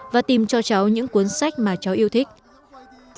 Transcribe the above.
và tìm cho cháu những cuốn sách mà cháu yêu thích